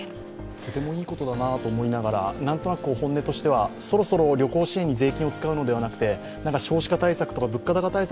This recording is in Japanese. とてもいいことだなと重いながら、何となく本音としては、そろそろ税金使うのではなくて少子化対策とか、物価高対策